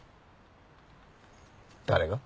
誰が？